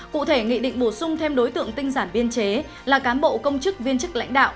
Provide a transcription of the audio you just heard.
cụ thể nghị định bổ sung thêm đối tượng tinh giản biên chế là cán bộ công chức viên chức lãnh đạo